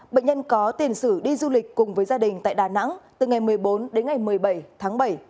bệnh nhân có tiền sử đi du lịch cùng với gia đình tại đà nẵng từ ngày một mươi bốn đến ngày một mươi bảy tháng bảy